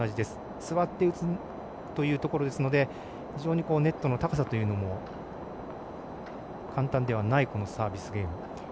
座って打つというところですので非常にネットの高さというのも簡単ではないサービスゲーム。